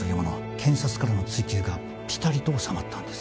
検察からの追及がピタリとおさまったんです